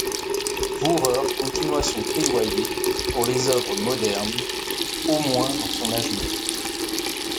Wührer continua son plaidoyer pour les œuvres modernes, au moins dans son âge mûr.